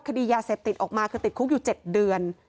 คดียาเสพติดออกมาคือติดคุกอยู่๗เดือน